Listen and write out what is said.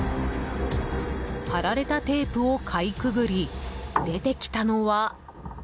貼られたテープをかいくぐり出てきたのは。